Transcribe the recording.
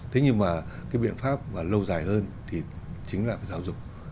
thế nhưng mà cái biện pháp và lâu dài hơn thì chính là giáo dục